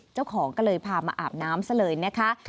เจ้าของก็เลยพามาอาบน้ำซะเลยนะคะ